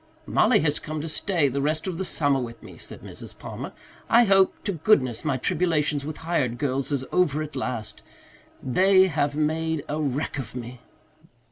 "Mollie has come to stay the rest of the summer with me," said Mrs. Palmer. "I hope to goodness my tribulations with hired girls is over at last. They have made a wreck of me."